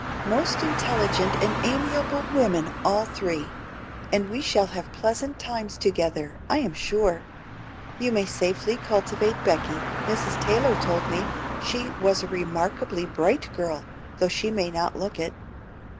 "Most intelligent and amiable women all three, and we shall have pleasant times together, I am sure. You may safely cultivate Becky; Mrs. Taylor told me she was a remarkably bright girl, though she may not look it."